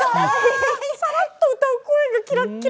さらっと歌う声がキラッキラ。